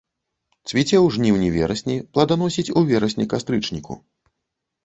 Цвіце ў жніўні-верасні, пладаносіць у верасні-кастрычніку.